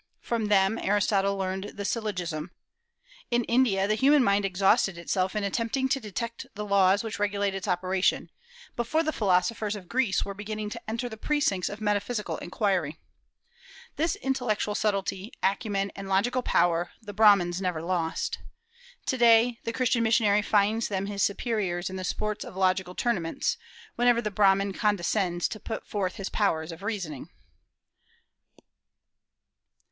From them Aristotle learned the syllogism.... In India the human mind exhausted itself in attempting to detect the laws which regulate its operation, before the philosophers of Greece were beginning to enter the precincts of metaphysical inquiry." This intellectual subtlety, acumen, and logical power the Brahmans never lost. To day the Christian missionary finds them his superiors in the sports of logical tournaments, whenever the Brahman condescends to put forth his powers of reasoning.